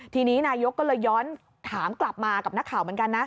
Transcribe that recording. ทีนี้นายกก็เลยย้อนถามกลับมากับนักข่าวเหมือนกันนะ